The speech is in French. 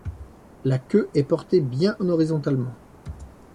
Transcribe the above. La queue est portée bien horizontalement.